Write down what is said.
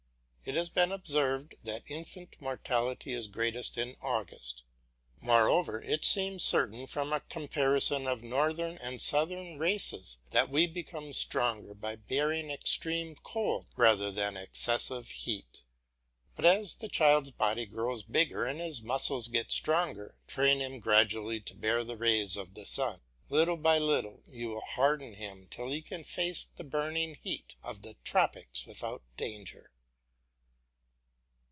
It has been observed that infant mortality is greatest in August. Moreover, it seems certain from a comparison of northern and southern races that we become stronger by bearing extreme cold rather than excessive heat. But as the child's body grows bigger and his muscles get stronger, train him gradually to bear the rays of the sun. Little by little you will harden him till he can face the burning heat of the tropics without danger.